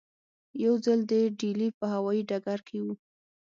یو ځل د ډیلي په هوایي ډګر کې وو.